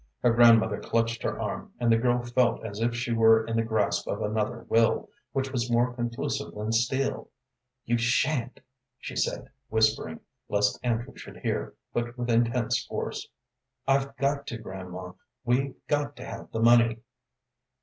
Her grandmother clutched her arm, and the girl felt as if she were in the grasp of another will, which was more conclusive than steel. "You sha'n't!" she said, whispering, lest Andrew should hear, but with intense force. "I've got to, grandma. We've got to have the money."